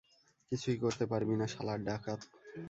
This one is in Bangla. কিছুই করতে পারবি না, শালার ডাকাত।